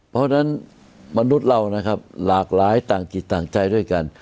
เพราะฉะนั้นมนุษย์เรานะครับหลากหลายต่างจิตต่างใจด้วยกัน